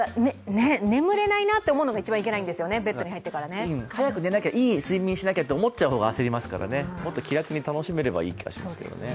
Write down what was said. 眠れないなと思うのが一番いけないんですよね、ベッドに入ってから。早く寝なきゃ、いい睡眠しなきゃと思う方が焦りますからね、もっと気楽に楽しめればいいですね。